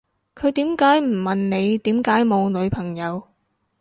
佢點解唔問你點解冇女朋友